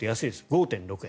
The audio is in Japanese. ５．６円。